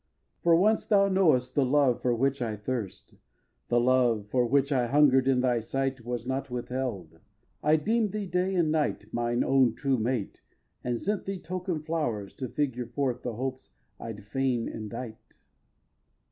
For once, thou know'st, the love for which I thirst, The love for which I hunger'd in thy sight, Was not withheld. I deem'd thee, day and night, Mine own true mate, and sent thee token flowers To figure forth the hopes I'd fain indite.